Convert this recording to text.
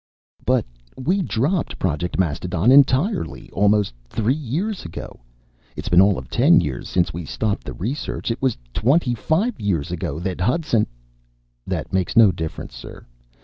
"But we dropped Project Mastodon entirely almost three years ago. It's been all of ten years since we stopped the research. It was twenty five years ago that Hudson " "That makes no difference, sir.